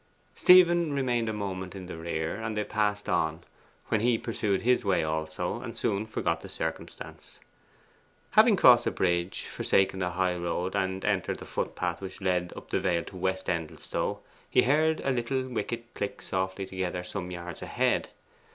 Stephen remained a moment in their rear, and they passed on, when he pursued his way also, and soon forgot the circumstance. Having crossed a bridge, forsaken the high road, and entered the footpath which led up the vale to West Endelstow, he heard a little wicket click softly together some yards ahead.